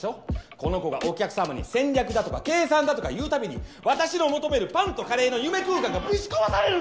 この子がお客様に戦略だとか計算だとか言う度に私の求める「パンとカレーの夢空間」がぶち壊されるの！